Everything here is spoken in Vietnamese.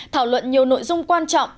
thảo luận nhiều nội dung quan trọng